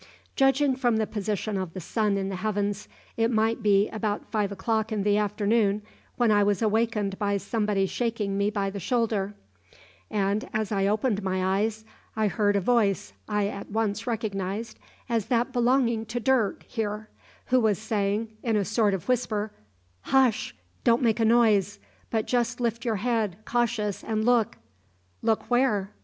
"Judging from the position of the sun in the heavens, it might be about five o'clock in the afternoon when I was awakened by somebody shaking me by the shoulder, and as I opened my eyes I heard a voice I at once recognised as that belonging to Dirk here, who was saying, in a sort of whisper: "`Hush! don't make a noise, but just lift your head, cautious, and look.' "`Look where?'